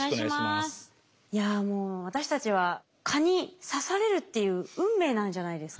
いやもう私たちは蚊に刺されるっていう運命なんじゃないですか？